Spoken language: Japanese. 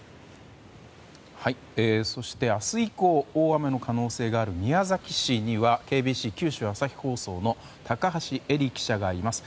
そして、明日以降大雨の可能性がある宮崎市にはＫＢＣ九州朝日放送の高橋絵里記者がいます。